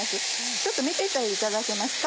ちょっと見てていただけますか？